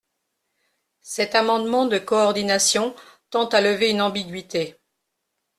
Cet amendement de coordination tend à lever une ambiguïté.